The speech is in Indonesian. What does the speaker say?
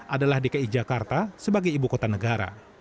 adalah dki jakarta sebagai ibu kota negara